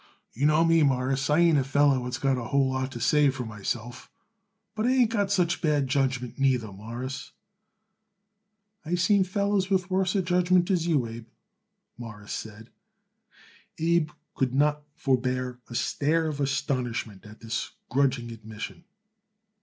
"You know me, Mawruss; I ain't a feller what's got a whole lot to say for myself, but I ain't got such bad judgment, neither, Mawruss." "I seen fellers with worser judgment as you, Abe," Morris said. Abe could not forbear a stare of astonishment at this grudging admission.